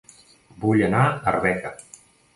Vull anar a Arbeca